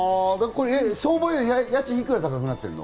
相場より家賃いくら高くなってるの？